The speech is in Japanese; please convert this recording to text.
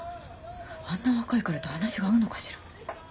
あんな若い彼と話が合うのかしら。